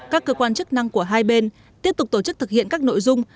các cơ quan chức năng của hai bên tiếp tục tổ chức thực hiện các nội dung